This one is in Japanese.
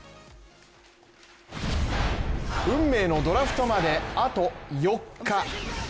運命のドラフトまであと４日。